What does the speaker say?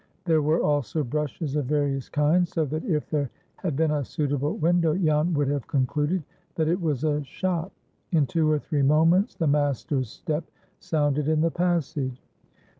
There were also brushes of various kinds, so that, if there had been a suitable window, Jan would have concluded that it was a shop. In two or three moments the master's step sounded in the passage.